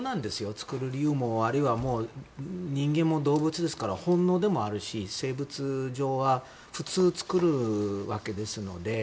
作る理由もあるいは人間も動物ですから本能でもあるし生物上は普通作るわけですので。